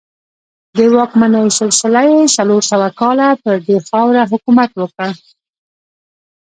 د واکمنۍ سلسله یې څلور سوه کاله پر دغې خاوره حکومت وکړ